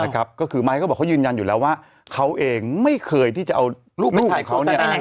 ก็คือไม้ก็บอกเขายืนยันอยู่แล้วว่าเขาเองไม่เคยที่จะเอาลูกของเขา